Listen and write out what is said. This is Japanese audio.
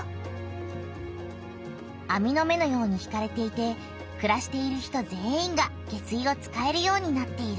あみの目のように引かれていてくらしている人全員が下水を使えるようになっている。